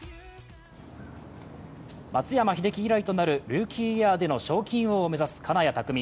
松山英樹以来となるルーキーイヤーでの賞金王を目指す金谷拓実。